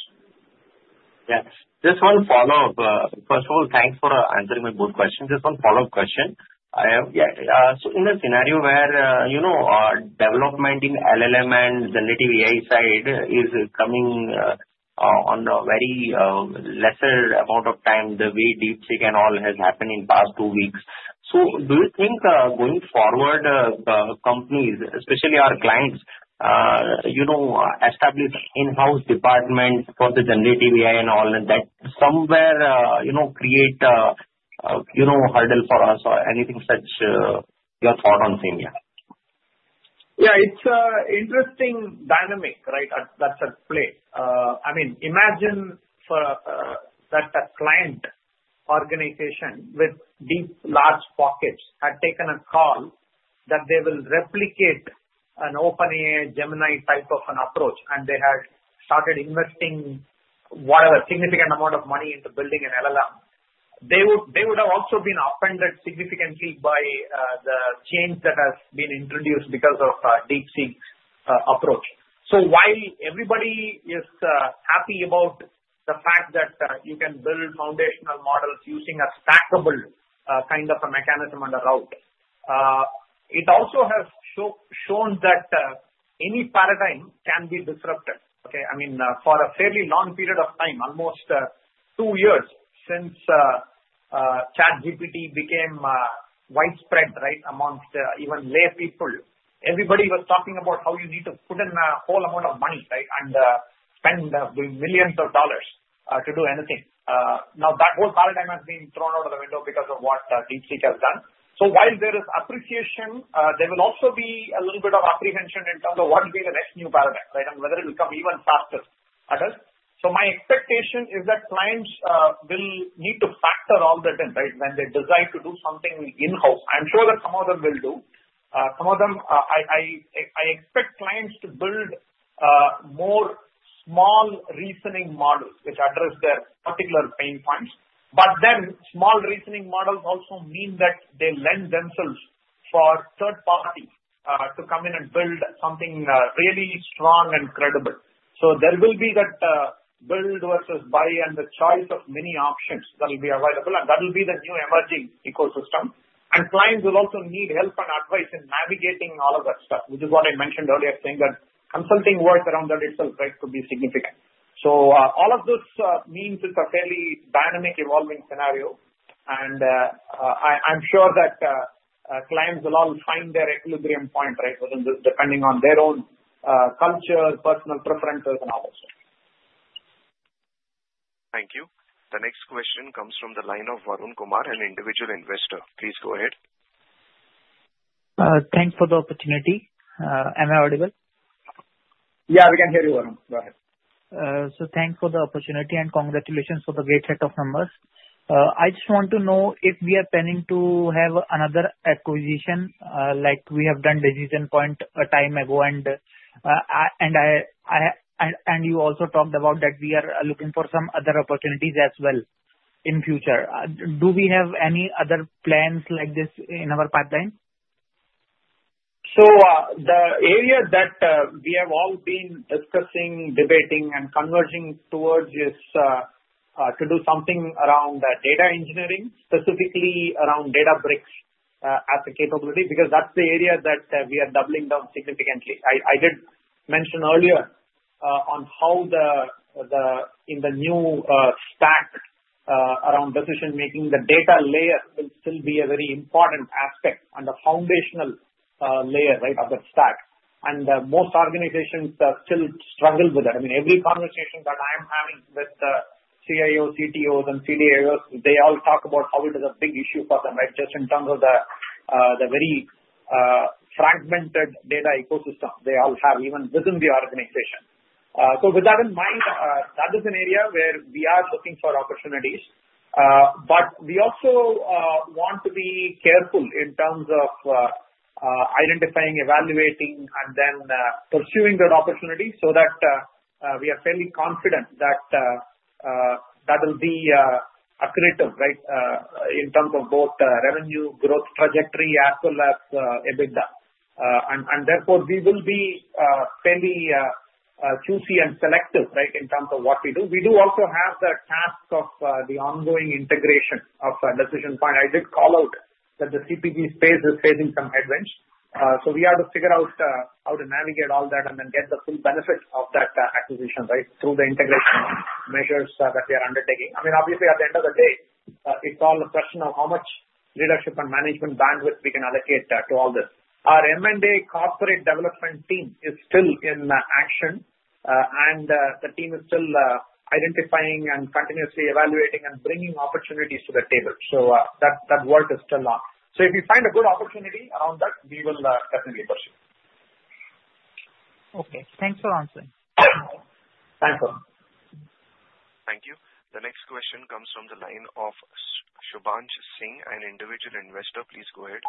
Speaker 7: Yeah. Just one follow-up. First of all, thanks for answering my both questions. Just one follow-up question. Yeah. So in a scenario where development in LLM and generative AI side is coming on a very lesser amount of time, the way DeepSeek and all has happened in the past two weeks, so do you think going forward companies, especially our clients, establish in-house departments for the generative AI and all, and that somewhere create a hurdle for us or anything such? Your thought on Samia.
Speaker 4: Yeah. It's an interesting dynamic, right, that's at play. I mean, imagine that a client organization with deep large pockets had taken a call that they will replicate an OpenAI Gemini type of an approach, and they had started investing whatever significant amount of money into building an LLM. They would have also been offended significantly by the change that has been introduced because of a DeepSeek approach. So while everybody is happy about the fact that you can build foundational models using a stackable kind of a mechanism and a route, it also has shown that any paradigm can be disrupted, okay? I mean, for a fairly long period of time, almost two years since ChatGPT became widespread, right, amongst even laypeople, everybody was talking about how you need to put in a whole amount of money, right, and spend millions of dollars to do anything. Now, that whole paradigm has been thrown out of the window because of what DeepSeek has done. So while there is appreciation, there will also be a little bit of apprehension in terms of what will be the next new paradigm, right, and whether it will come even faster at us. So my expectation is that clients will need to factor all that in, right, when they decide to do something in-house. I'm sure that some of them will do. Some of them, I expect clients to build more small reasoning models which address their particular pain points. But then small reasoning models also mean that they lend themselves for third party to come in and build something really strong and credible. So there will be that build versus buy and the choice of many options that will be available, and that will be the new emerging ecosystem. And clients will also need help and advice in navigating all of that stuff, which is what I mentioned earlier, saying that consulting works around that itself, right, could be significant. So all of those means it's a fairly dynamic evolving scenario, and I'm sure that clients will all find their equilibrium point, right, depending on their own culture, personal preferences, and all that stuff.
Speaker 1: Thank you. The next question comes from the line of Varun Kumar, an individual investor. Please go ahead.
Speaker 8: Thanks for the opportunity. Am I audible?
Speaker 3: Yeah, we can hear you, Varun. Go ahead.
Speaker 8: Thanks for the opportunity and congratulations for the great set of numbers. I just want to know if we are planning to have another acquisition like we have done Decision Point a time ago, and you also talked about that we are looking for some other opportunities as well in the future. Do we have any other plans like this in our pipeline?
Speaker 3: So the area that we have all been discussing, debating, and converging towards is to do something around data engineering, specifically around Databricks as a capability, because that's the area that we are doubling down significantly. I did mention earlier on how in the new stack around decision-making, the data layer will still be a very important aspect and a foundational layer, right, of that stack. And most organizations still struggle with that. I mean, every conversation that I am having with the CIOs, CTOs, and CDOs, they all talk about how it is a big issue for them, right, just in terms of the very fragmented data ecosystem they all have even within the organization. So with that in mind, that is an area where we are looking for opportunities, but we also want to be careful in terms of identifying, evaluating, and then pursuing that opportunity so that we are fairly confident that that will be accretive, right, in terms of both revenue, growth trajectory, as well as EBITDA. And therefore, we will be fairly choosy and selective, right, in terms of what we do. We do also have the task of the ongoing integration of Decision Point. I did call out that the CPG space is facing some headwinds. So we have to figure out how to navigate all that and then get the full benefit of that acquisition, right, through the integration measures that we are undertaking. I mean, obviously, at the end of the day, it's all a question of how much leadership and management bandwidth we can allocate to all this. Our M&A corporate development team is still in action, and the team is still identifying and continuously evaluating and bringing opportunities to the table. So that work is still on. So if we find a good opportunity around that, we will definitely pursue.
Speaker 8: Okay. Thanks for answering.
Speaker 3: Thanks, Varun.
Speaker 1: Thank you. The next question comes from the line of Shubham Singh, an individual investor. Please go ahead.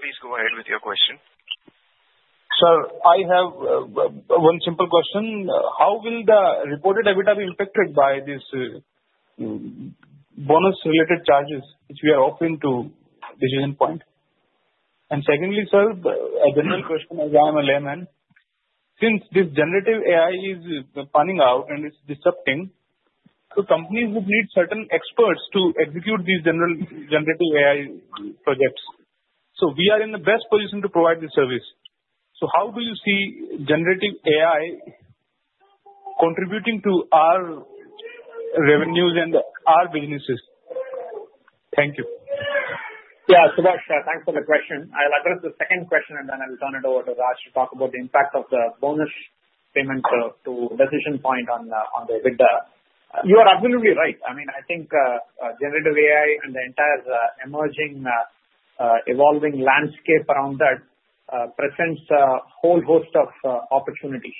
Speaker 1: Please go ahead with your question.
Speaker 9: Sir, I have one simple question. How will the reported EBITDA be impacted by these bonus-related charges which we are offering to Decision Point? And secondly, sir, a general question as I am a layman, since this generative AI is panning out and it's disrupting, so companies would need certain experts to execute these general generative AI projects. So we are in the best position to provide the service. So how do you see generative AI contributing to our revenues and our businesses? Thank you.
Speaker 3: Yeah. So, thanks for the question. I'll address the second question, and then I'll turn it over to Raj to talk about the impact of the bonus payment to Decision Point on the EBITDA. You are absolutely right. I mean, I think generative AI and the entire emerging, evolving landscape around that presents a whole host of opportunities.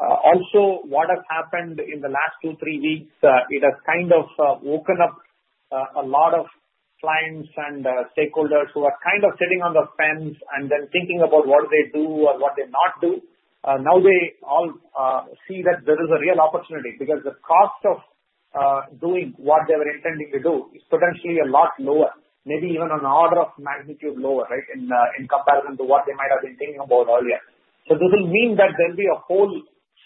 Speaker 3: Also, what has happened in the last two, three weeks, it has kind of woken up a lot of clients and stakeholders who are kind of sitting on the fence and then thinking about what do they do or what they not do. Now they all see that there is a real opportunity because the cost of doing what they were intending to do is potentially a lot lower, maybe even on the order of magnitude lower, right, in comparison to what they might have been thinking about earlier. So this will mean that there'll be a whole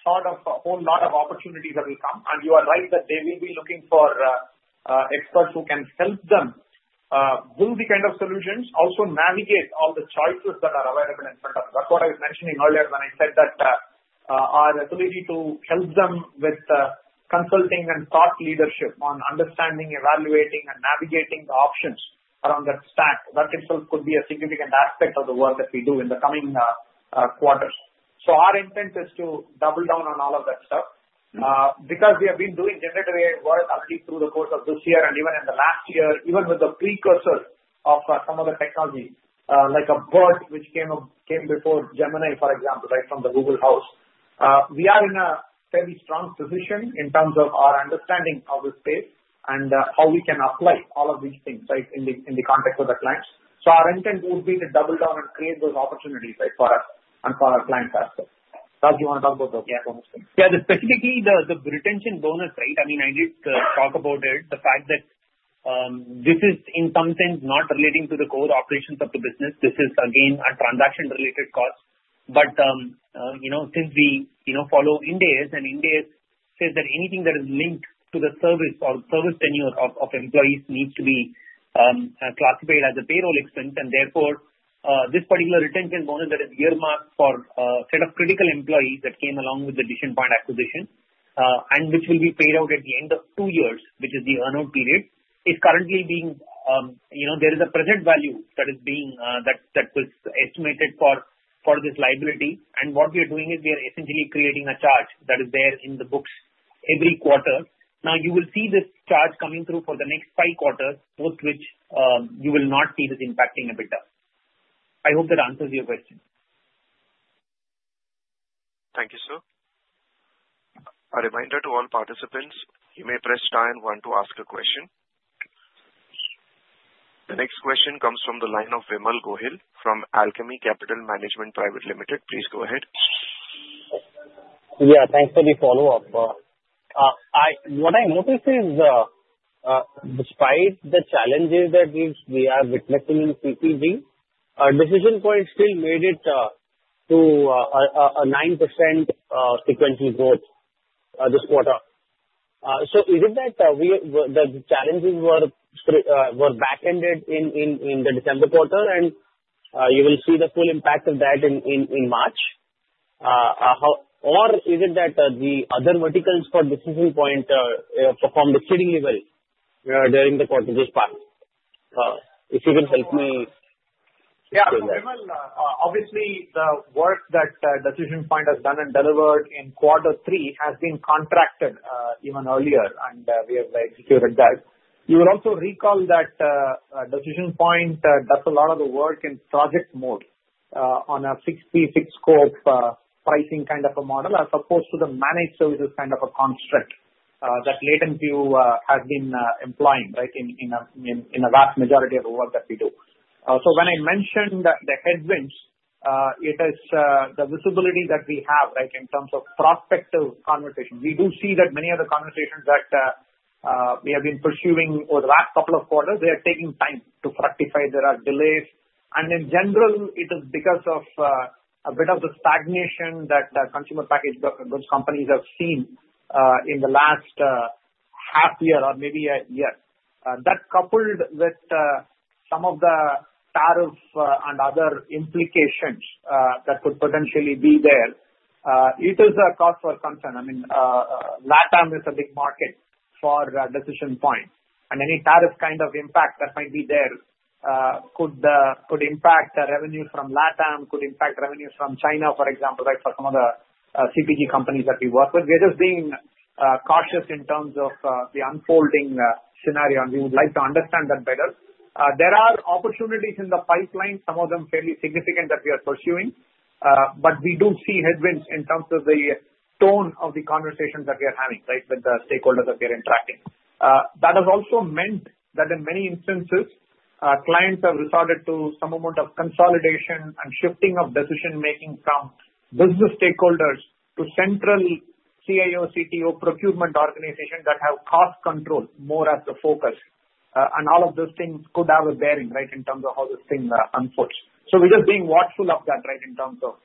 Speaker 3: sort of a whole lot of opportunities that will come. And you are right that they will be looking for experts who can help them build these kinds of solutions, also navigate all the choices that are available in front of them. That's what I was mentioning earlier when I said that our ability to help them with consulting and thought leadership on understanding, evaluating, and navigating the options around that stack, that itself could be a significant aspect of the work that we do in the coming quarters. So our intent is to double down on all of that stuff because we have been doing generative AI work already through the course of this year and even in the last year, even with the precursors of some of the technologies like a BERT, which came before Gemini, for example, right, from the Google House. We are in a fairly strong position in terms of our understanding of the space and how we can apply all of these things, right, in the context of the clients. So our intent would be to double down and create those opportunities, right, for us and for our clients as well. Raj, you want to talk about the bonus thing? Yeah. Specifically, the retention bonus, right? I mean, I did talk about it, the fact that this is, in some sense, not relating to the core operations of the business. This is, again, a transaction-related cost. But since we follow index, and index says that anything that is linked to the service or service tenure of employees needs to be classified as a payroll expense. And therefore, this particular retention bonus that is earmarked for a set of critical employees that came along with the Decision Point acquisition and which will be paid out at the end of two years, which is the earn-out period, is currently. There is a present value that was estimated for this liability. And what we are doing is we are essentially creating a charge that is there in the books every quarter. Now, you will see this charge coming through for the next five quarters, most of which you will not see this impacting EBITDA. I hope that answers your question.
Speaker 1: Thank you, sir. A reminder to all participants, you may press star and one to ask a question. The next question comes from the line of Vimal Gohil from Alchemy Capital Management Private Limited. Please go ahead.
Speaker 5: Yeah. Thanks for the follow-up. What I noticed is, despite the challenges that we are witnessing in CPG, Decision Point still made it to a 9% sequential growth this quarter. So is it that the challenges were back-ended in the December quarter, and you will see the full impact of that in March? Or is it that the other verticals for Decision Point performed exceedingly well during the quarter this past? If you can help me say that.
Speaker 3: Yeah. Obviously, the work that Decision Point has done and delivered in quarter three has been contracted even earlier, and we have executed that. You will also recall that Decision Point does a lot of the work in project mode on a 60/60 scope pricing kind of a model as opposed to the managed services kind of a construct that LatentView has been employing, right, in a vast majority of the work that we do. So when I mentioned the headwinds, it is the visibility that we have, right, in terms of prospective conversation. We do see that many of the conversations that we have been pursuing over the last couple of quarters, they are taking time to fructify. There are delays. And in general, it is because of a bit of the stagnation that consumer packaged goods companies have seen in the last half year or maybe a year. That coupled with some of the tariff and other implications that could potentially be there, it is a cause for concern. I mean, LATAM is a big market for Decision Point, and any tariff kind of impact that might be there could impact revenues from LATAM, could impact revenues from China, for example, right, for some of the CPG companies that we work with. We are just being cautious in terms of the unfolding scenario, and we would like to understand that better. There are opportunities in the pipeline, some of them fairly significant that we are pursuing, but we do see headwinds in terms of the tone of the conversations that we are having, right, with the stakeholders that we are interacting. That has also meant that in many instances, clients have resorted to some amount of consolidation and shifting of decision-making from business stakeholders to central CIO, CTO procurement organizations that have cost control more as the focus, and all of those things could have a bearing, right, in terms of how this thing unfolds, so we're just being watchful of that, right, in terms of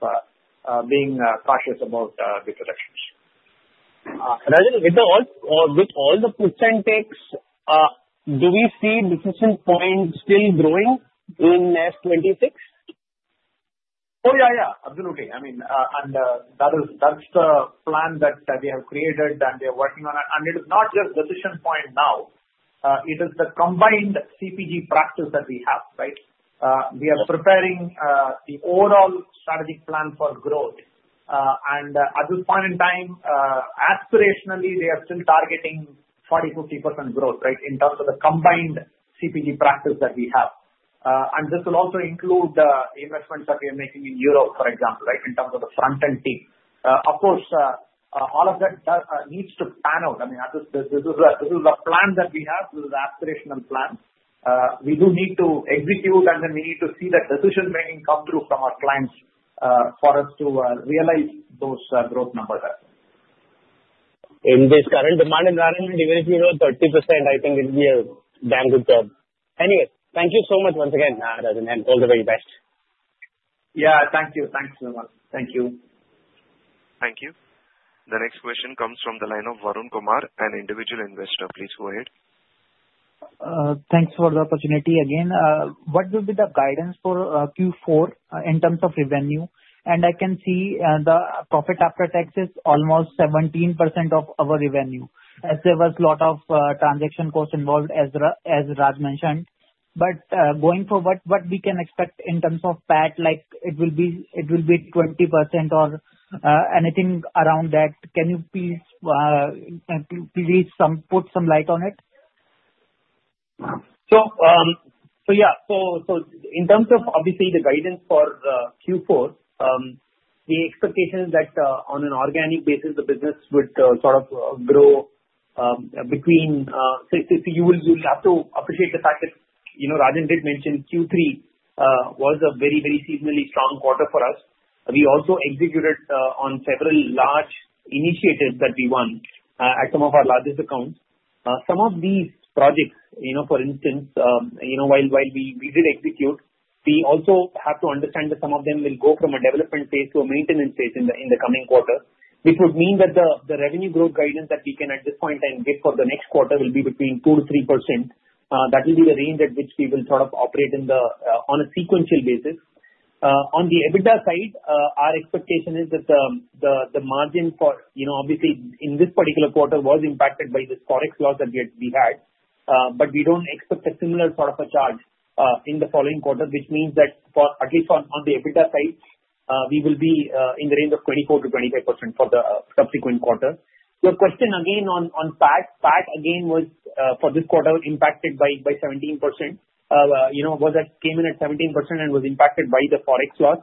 Speaker 3: being cautious about the transactions.
Speaker 5: Rajan, with all the percentages, do we see Decision Point still growing in S26?
Speaker 3: Oh, yeah, yeah. Absolutely. I mean, and that's the plan that we have created that we are working on. And it is not just Decision Point now. It is the combined CPG practice that we have, right? We are preparing the overall strategic plan for growth. And at this point in time, aspirationally, they are still targeting 40%-50% growth, right, in terms of the combined CPG practice that we have. And this will also include the investments that we are making in Europe, for example, right, in terms of the front-end team. Of course, all of that needs to pan out. I mean, this is the plan that we have. This is the aspirational plan. We do need to execute, and then we need to see that decision-making come through from our clients for us to realize those growth numbers as well.
Speaker 10: In this current demand environment, even if you grow 30%, I think it will be a damn good job. Anyway, thank you so much once again, Rajan, and all the very best.
Speaker 5: Yeah. Thank you.
Speaker 3: Thanks, Vimal.
Speaker 5: Thank you. Thank you.
Speaker 1: The next question comes from the line of Varun Kumar, an individual investor. Please go ahead.
Speaker 8: Thanks for the opportunity again. What will be the guidance for Q4 in terms of revenue? And I can see the profit after tax is almost 17% of our revenue, as there was a lot of transaction cost involved, as Raj mentioned. But going forward, what we can expect in terms of PAT, like it will be 20% or anything around that? Can you please put some light on it?
Speaker 3: So yeah. In terms of, obviously, the guidance for Q4, the expectation is that on an organic basis, the business would sort of grow between, so you will have to appreciate the fact that Rajan did mention Q3 was a very, very seasonally strong quarter for us. We also executed on several large initiatives that we won at some of our largest accounts. Some of these projects, for instance, while we did execute, we also have to understand that some of them will go from a development phase to a maintenance phase in the coming quarter, which would mean that the revenue growth guidance that we can at this point in time give for the next quarter will be between 2%-3%. That will be the range at which we will sort of operate on a sequential basis.
Speaker 4: On the EBITDA side, our expectation is that the margin for, obviously, in this particular quarter, was impacted by this forex loss that we had. But we don't expect a similar sort of a charge in the following quarter, which means that, at least on the EBITDA side, we will be in the range of 24%-25% for the subsequent quarter. Your question again on PAT, PAT again was, for this quarter, impacted by 17%, came in at 17% and was impacted by the forex loss.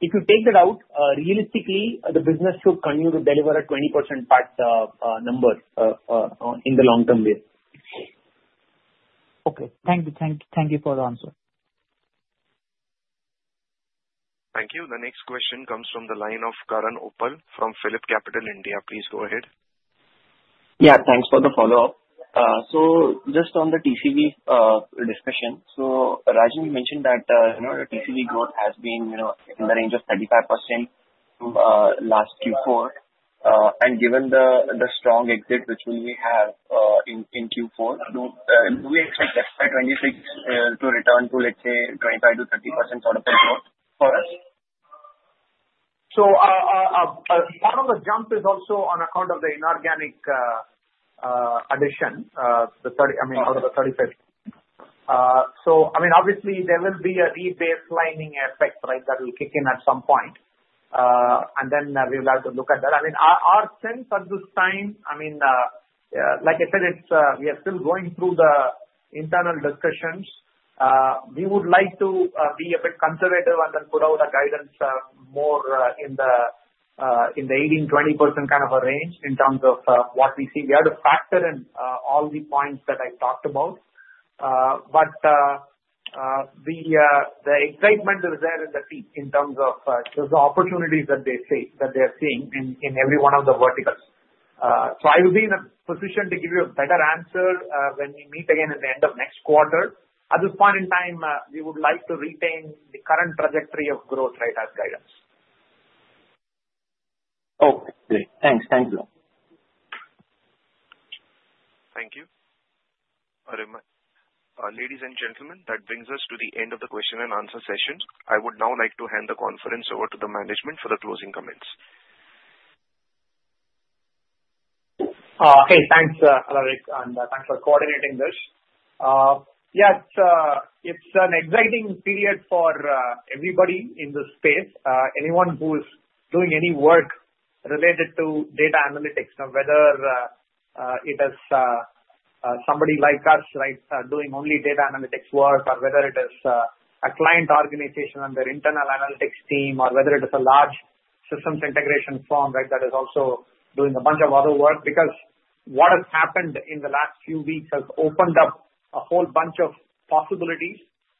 Speaker 4: If you take that out, realistically, the business should continue to deliver a 20% PAT number in the long-term view.
Speaker 8: Okay. Thank you. Thank you for the answer.
Speaker 1: Thank you. The next question comes from the line of Karan Uppal from PhillipCapital India. Please go ahead.
Speaker 6: Yeah. Thanks for the follow-up. So just on the TCV discussion, so Rajan mentioned that the TCV growth has been in the range of 35% last Q4. And given the strong exit which we have in Q4, do we expect FY26 to return to, let's say, 25%-30% sort of a growth for us?
Speaker 3: Part of the jump is also on account of the inorganic addition, I mean, out of the 35. I mean, obviously, there will be a rebaselining effect, right, that will kick in at some point. And then we will have to look at that. I mean, our sense at this time, I mean, like I said, we are still going through the internal discussions. We would like to be a bit conservative and then put out a guidance more in the 18%-20% kind of a range in terms of what we see. We have to factor in all the points that I talked about. But the excitement is there in the C-suite in terms of just the opportunities that they are seeing in every one of the verticals. So I will be in a position to give you a better answer when we meet again at the end of next quarter. At this point in time, we would like to retain the current trajectory of growth, right, as guidance. Okay. Great. Thanks. Thank you.
Speaker 1: Thank you. Ladies and gentlemen, that brings us to the end of the question and answer session. I would now like to hand the conference over to the management for the closing comments.
Speaker 3: Hey, thanks, Alaric, and thanks for coordinating this. Yeah, it's an exciting period for everybody in the space, anyone who's doing any work related to data analytics, whether it is somebody like us, right, doing only data analytics work, or whether it is a client organization and their internal analytics team, or whether it is a large systems integration firm, right, that is also doing a bunch of other work. Because what has happened in the last few weeks has opened up a whole bunch of possibilities,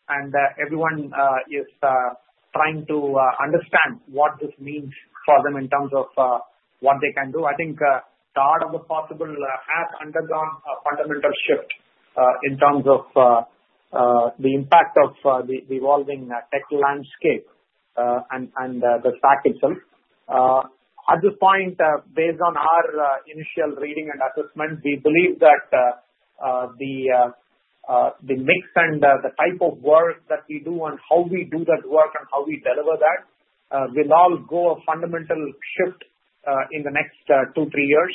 Speaker 3: and everyone is trying to understand what this means for them in terms of what they can do. I think a lot of the possible has undergone a fundamental shift in terms of the impact of the evolving tech landscape and the SAC itself. At this point, based on our initial reading and assessment, we believe that the mix and the type of work that we do and how we do that work and how we deliver that will all go a fundamental shift in the next two, three years.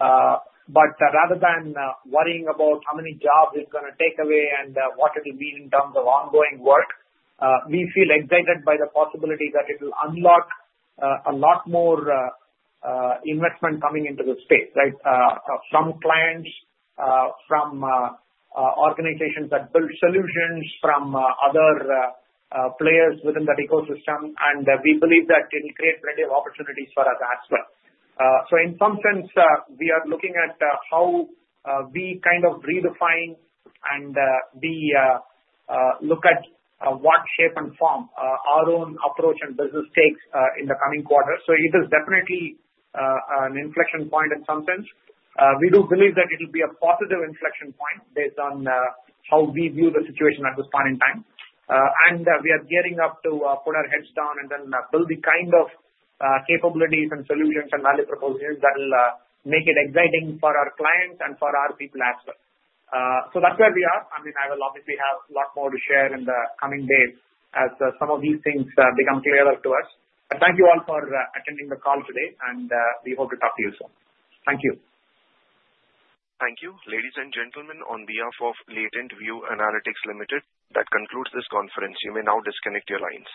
Speaker 3: Rather than worrying about how many jobs it's going to take away and what it will mean in terms of ongoing work, we feel excited by the possibility that it will unlock a lot more investment coming into the space, right, from clients, from organizations that build solutions, from other players within that ecosystem. We believe that it will create plenty of opportunities for us as well. In some sense, we are looking at how we kind of redefine and we look at what shape and form our own approach and business takes in the coming quarter. So it is definitely an inflection point in some sense. We do believe that it will be a positive inflection point based on how we view the situation at this point in time. And we are gearing up to put our heads down and then build the kind of capabilities and solutions and value propositions that will make it exciting for our clients and for our people as well. So that's where we are. I mean, I will obviously have a lot more to share in the coming days as some of these things become clearer to us. But thank you all for attending the call today, and we hope to talk to you soon. Thank you.
Speaker 1: Thank you. Ladies and gentlemen, on behalf of LatentView Analytics Limited, that concludes this conference. You may now disconnect your lines.